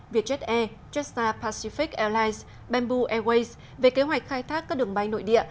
vietjet air jetstar pacific airlines bamboo airways về kế hoạch khai thác các đường bay nội địa